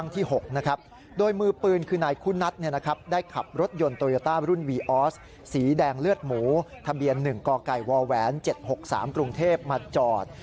ทะเบียน๑กไก่วแหวน๗๖๓กรุงเทพฯมาจอด